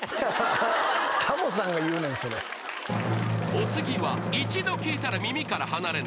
［お次は一度聴いたら耳から離れない